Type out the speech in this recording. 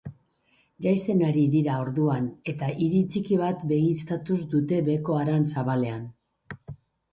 Jaisten hasi dira orduan eta hiri txiki bat begiztatu dute beheko haran zabalean.